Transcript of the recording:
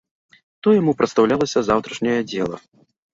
То яму прадстаўлялася заўтрашняе дзела.